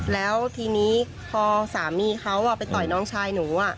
แล้วทีนี้พอสามีเขาไปต่อยน้องชายหนู